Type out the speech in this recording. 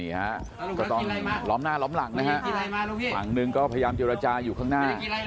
ฮะก็ต้องล้อมหน้าล้อมหลังนะฮะฝั่งหนึ่งก็พยายามเจรจาอยู่ข้างหน้า